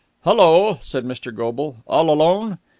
"Hullo!" said Mr. Goble. "All alone?"